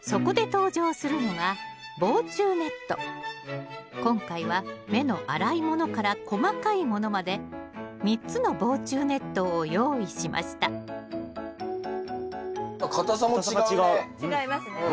そこで登場するのが今回は目の粗いものから細かいものまで３つの防虫ネットを用意しましたかたさも違うね。